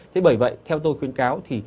thế bởi vậy theo tôi khuyến cáo